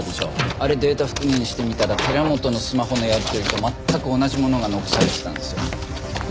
あれデータ復元してみたら寺本のスマホのやり取りと全く同じものが残されていたんですよ。